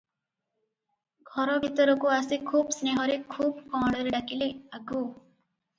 ଘର ଭିତରକୁ ଆସି ଖୁବ୍ ସ୍ନେହରେ ଖୁବ୍ କଅଁଳରେ ଡାକିଲେ, “ଆଗୋ!